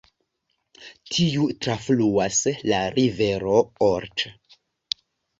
Tiu trafluas la rivero Olt.